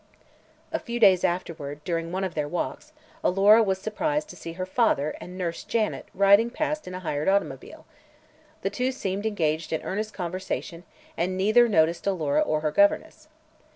A few days afterward, during one of their walks, Alora was surprised to see her father and nurse Janet riding past in a hired automobile. The two seemed engaged in earnest conversation and neither noticed Alora or her governess.